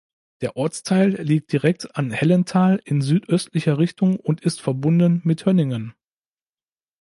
Der Ortsteil liegt direkt an Hellenthal in südöstlicher Richtung und ist verbunden mit Hönningen.